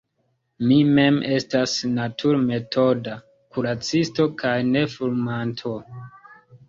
Mi mem estas naturmetoda kuracisto kaj nefumanto.